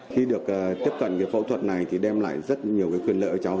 khi được tiếp cận cái phẫu thuật này thì đem lại rất nhiều quyền lợi cho cháu